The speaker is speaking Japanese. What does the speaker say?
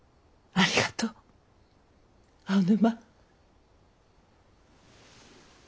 ありがとう青沼。